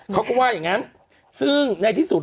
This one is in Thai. เขาก็ว่าอย่างงั้นซึ่งในที่สุด